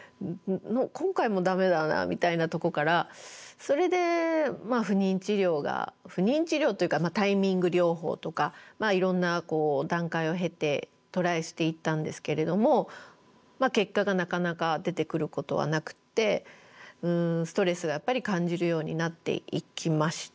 今回もダメだなみたいなとこからそれで不妊治療が不妊治療というかタイミング療法とかいろんな段階を経てトライしていったんですけれども結果がなかなか出てくることはなくってストレスがやっぱり感じるようになっていきました。